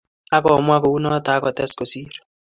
Ak komwaa ko unoto ak kotes kosiir